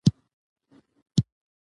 که تخنیک وي نو کیفیت نه خرابیږي.